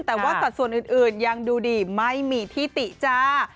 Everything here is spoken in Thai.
แต่ว่าสัดส่วนอื่นยังดูดีไม่มีที่ติจ้า